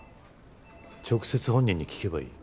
直接本人に聞けばいい。